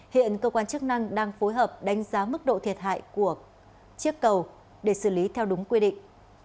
hiện cơ quan chức năng đang phối hợp đánh giá mức độ thiệt hại của chiếc cầu để xử lý theo đúng quy định